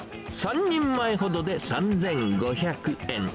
３人前ほどで３５００円。